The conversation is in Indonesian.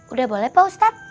udah boleh pak ustadz